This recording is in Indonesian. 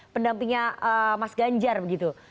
pendampingnya mas ganjar begitu